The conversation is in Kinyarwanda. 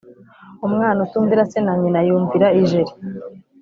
Umwana utumvira se na nyina yumvira ijeri.